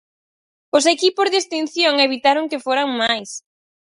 Os equipos de extinción evitaron que foran máis.